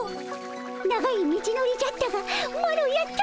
長い道のりじゃったがマロやったでおじゃる。